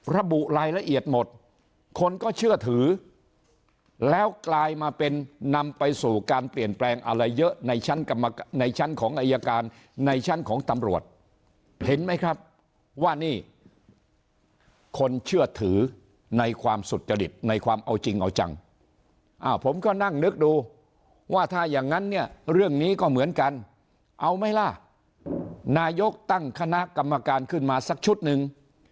ระบุรายละเอียดหมดคนก็เชื่อถือแล้วกลายมาเป็นนำไปสู่การเปลี่ยนแปลงอะไรเยอะในชั้นในชั้นของอายการในชั้นของตำรวจเห็นไหมครับว่านี่คนเชื่อถือในความสุจริตในความเอาจริงเอาจังผมก็นั่งนึกดูว่าถ้าอย่างนั้นเนี่ยเรื่องนี้ก็เหมือนกันเอาไหมล่ะนายกตั้งคณะกรรมการขึ้นมาสักชุดหนึ่ง